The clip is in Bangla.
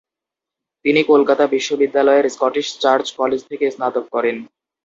তিনি কলকাতা বিশ্ববিদ্যালয়ের স্কটিশ চার্চ কলেজ থেকে স্নাতক করেন।